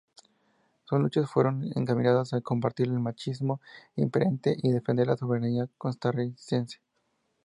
Sus luchas fueron encaminadas a combatir el machismo imperante y defender la soberanía costarricense.